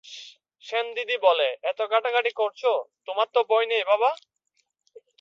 সেনদিদি বলে, এত ঘাটাঘাটি করছ, তোমার তো ভয় নেই বাবা?